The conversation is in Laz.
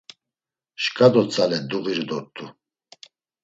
Şǩa do tzale duğiru dort̆u.